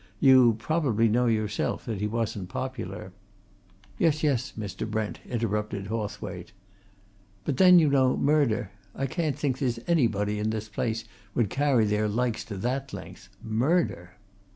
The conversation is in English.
You probably know yourself that he wasn't popular " "Yes, yes, Mr. Brent," interrupted Hawthwaite. "But then, you know, murder ! I can't think there's anybody in this place would carry their likes to that length! Murder!"